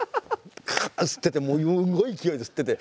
カッ吸っててすごい勢いで吸ってて。